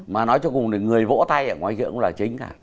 mà nói cho cùng là người vỗ tay ở ngoài kia cũng là chính cả